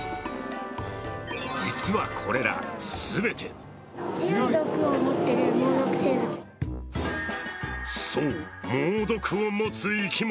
実はこれら全てそう、猛毒を持つ生き物